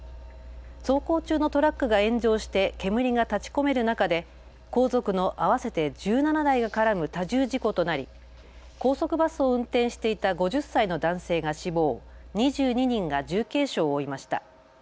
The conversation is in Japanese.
走行中のトラックが炎上して煙が立ちこめる中で後続の合わせて１７台が絡む多重事故となり高速バスを運転していた５０歳の男性が死亡、２２人が重軽傷を負いました。